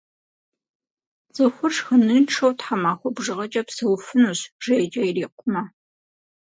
Цӏыхур шхыныншэу тхьэмахуэ бжыгъэкӏэ псэуфынущ, жейкӏэ ирикъумэ.